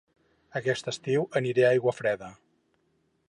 Aquest estiu aniré a Aiguafreda